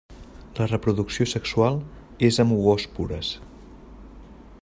La reproducció sexual és amb oòspores.